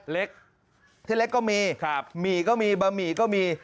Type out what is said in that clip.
เล็กที่เล็กก็มีหมี่ก็มีบะหมี่ก็มี